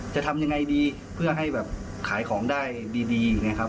จะทำยังไงดีเพื่อให้แบบขายของได้ดีอย่างนี้ครับ